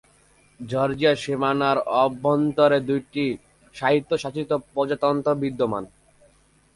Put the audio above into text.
জর্জিয়ার সীমানার অভ্যন্তরে দুইটি স্বায়ত্তশাসিত প্রজাতন্ত্র বিদ্যমান।